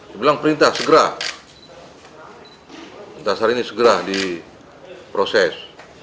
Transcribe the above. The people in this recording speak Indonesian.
dia bilang perintah segera perintah segera ini di proses